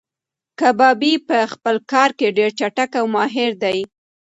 کبابي په خپل کار کې ډېر چټک او ماهیر دی.